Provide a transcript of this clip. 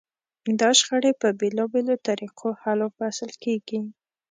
دا شخړې په بېلابېلو طریقو حل و فصل کېږي.